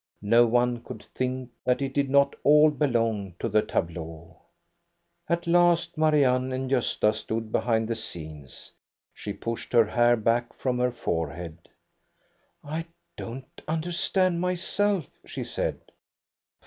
No one could think that it did not all belong to the tableau. At last Marianne and Gosta stood behind the scenes. She pushed her hair back from her forehead. " I don't understand myself," she said.